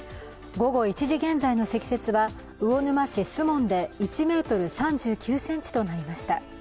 午後１時現在の積雪は魚沼市守門で１ｍ３９ｃｍとなりました。